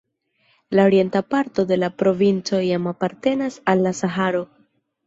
La orienta parto de la provinco jam apartenas al la Saharo.